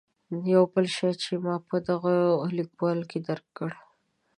یو بل شی چې ما په دغه لیکوال کې درک کړ.